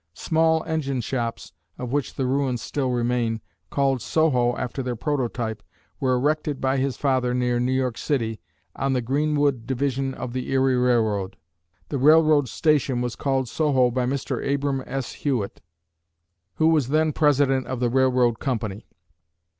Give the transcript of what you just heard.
Small engine shops (of which the ruins still remain), called "Soho" after their prototype, were erected by his father near New York city, on the Greenwood division of the Erie Railroad. The railroad station was called "Soho" by Mr. Abram S. Hewitt, who was then president of the railroad company.